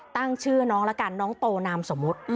ตั้งชื่อน้องละกันน้องโตนามสมมุติ